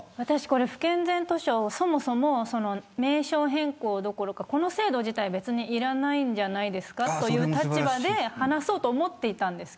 不健全図書をそもそも名称変更どころかこの制度自体別にいらないんじゃないですかという立場で話そうと思っていたんです。